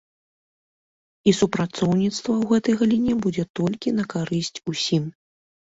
І супрацоўніцтва ў гэтай галіне будзе толькі на карысць усім.